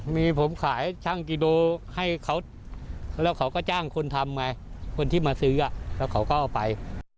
มีผมขายช่างกิโดให้เขาแล้วเขาก็จ้างคนทำไงคนที่มาซื้อแล้วเขาก็เอาไป